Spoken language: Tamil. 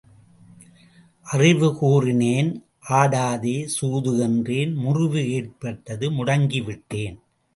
அறிவு கூறினேன் ஆடாதே சூது என்றேன் முறிவு ஏற்பட்டது முடங்கி விட்டேன்.